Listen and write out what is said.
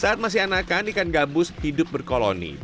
saat masih anakan ikan gabus hidup berkoloni